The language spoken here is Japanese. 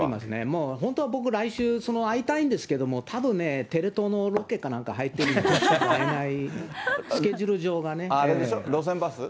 もう本当は僕来週、会いたいんですけれども、たぶんテレ東のロケかなんか入ってるんで、会えない。